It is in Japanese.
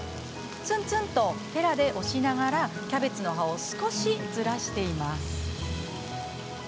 ツンツンとへらで押しながらキャベツの葉を少しずらしています。